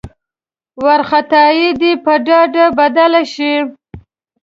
وارخطايي دې په ډاډ بدله شي.